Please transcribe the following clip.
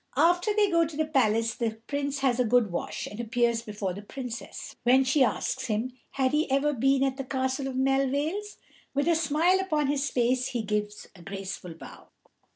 After they go to the palace, the Prince has a good wash, and appears before the Princess, when she asks him, Had he ever been at the Castle of Melvales? With a smile upon his face, he gives a graceful bow.